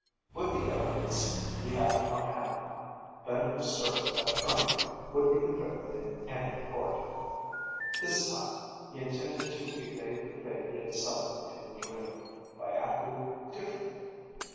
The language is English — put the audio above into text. With the evidence he had on hand, Bennett was certain that Tournay would be convicted in any court. This time he intended to evade the fate he had suffered in the dream by acting differently.